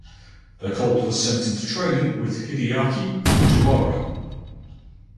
The colt was sent into training with Hideaki Fujiwara.